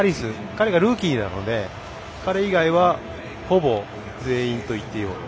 彼がルーキーなので、彼以外はほぼ全員といっていいほど。